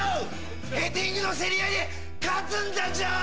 ヘディングの競り合いで勝つんだジョー！